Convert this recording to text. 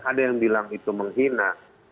ada yang bilang itu menghina